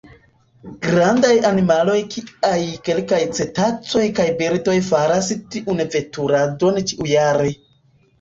Grandaj animaloj kiaj kelkaj cetacoj kaj birdoj faras tiun veturadon ĉiujare.